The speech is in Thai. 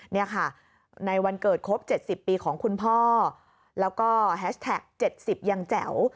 นี่ค่ะในวันเกิดครบ๗๐ปีของคุณพ่อแล้วก็แฮชแท็ก๗๐ยังแจ๋ว